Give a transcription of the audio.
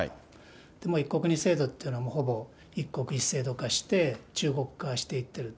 一国二制度というのもほぼ一国一制度化して、中国化していってると。